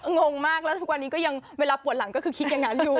งงมากแล้วทุกวันนี้ก็ยังเวลาปวดหลังก็คือคิดอย่างนั้นอยู่